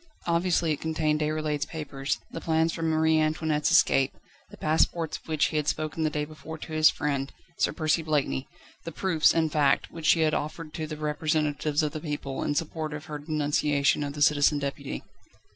Obviously it contained Déroulède's papers, the plans for Marie Antoinette's escape, the passports of which he had spoken the day before to his friend, Sir Percy Blakeney the proofs, in fact, which she had offered to the representatives of the people, in support of her denunciation of the Citizen Deputy.